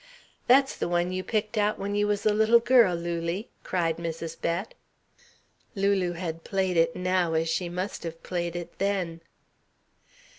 "That's the one you picked out when you was a little girl, Lulie," cried, Mrs. Bett. Lulu had played it now as she must have played it then.